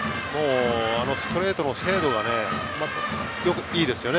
ストレートの精度がいいですよね。